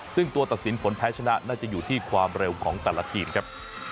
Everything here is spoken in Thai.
ซึ่งตัวตัดสินผลแพ้ชนะน่าจะอยู่ที่ความเร็วของแต่ละทีมครับ